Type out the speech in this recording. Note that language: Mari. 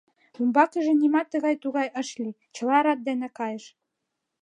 Умбакыже нимат тыгай-тугай ыш лий, чыла рат дене кайыш.